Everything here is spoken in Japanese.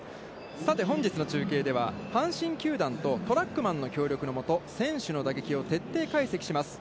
本日の中継では阪神球団とトラックマンの協力のもと選手の打撃を徹底解析します。